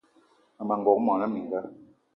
Mmema n'gogué mona mininga